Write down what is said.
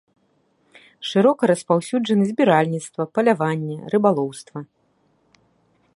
Шырока распаўсюджаны збіральніцтва, паляванне, рыбалоўства.